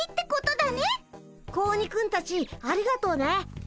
子鬼くんたちありがとうね。